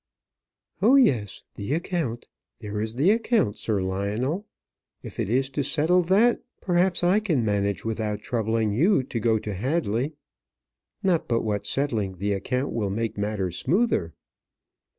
"Oh, yes, the account; there is the account, Sir Lionel. If it is to settle that, perhaps I can manage without troubling you to go to Hadley. Not but what settling the account will make matters smoother."